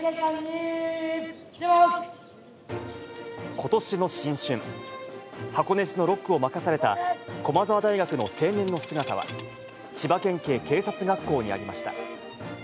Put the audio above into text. ことしの新春、箱根路の６区を任された、駒澤大学の青年の姿は、千葉県警警察学校にありました。